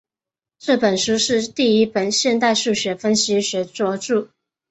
这本书是第一本现代数学分析学着作。